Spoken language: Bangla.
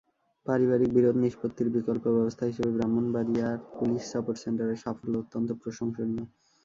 পারিবারিক বিরোধ নিষ্পত্তির বিকল্প ব্যবস্থা হিসেবে ব্রাহ্মণবাড়িয়ার পুলিশ সাপোর্ট সেন্টারের সাফল্য অত্যন্ত প্রশংসনীয়।